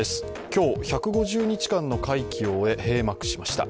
今日、１５０日間の会期を終え閉幕しました。